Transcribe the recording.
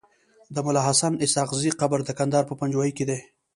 د ملاحسناسحاقزی قبر دکندهار په پنجوايي کیدی